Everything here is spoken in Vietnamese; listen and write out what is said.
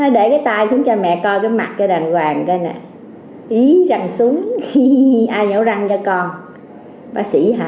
thôi để cái tay xuống cho mẹ coi cái mặt cho đàng hoàng coi nè ý răng xuống ai nhổ răng cho con bác sĩ hả